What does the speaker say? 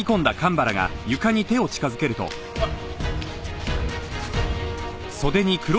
あっ！